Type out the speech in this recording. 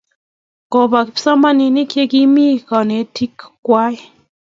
Kopa kipsomaninik yekimi kanetik kwag